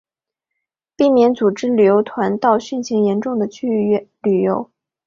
避免组织旅游团到汛情严重的区域旅游